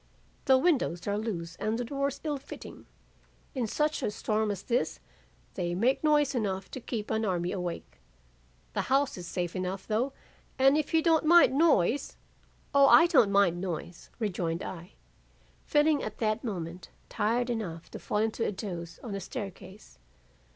'The windows are loose and the doors ill fitting. In such a storm as this they make noise enough to keep an army awake. The house is safe enough though and if you don't mind noise ' "'O I don't mind noise,' rejoined I, feeling at that moment tired enough to fall into a doze on the staircase.